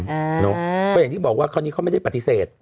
เพราะอย่างที่บอกว่าคราวนี้เขาไม่ได้ปฏิเสธ